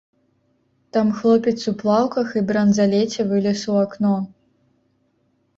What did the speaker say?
Там хлопец у плаўках і бранзалеце вылез у акно.